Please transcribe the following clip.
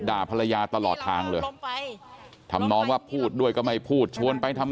ด่าภรรยาตลอดทางเลยทำนองว่าพูดด้วยก็ไม่พูดชวนไปทำ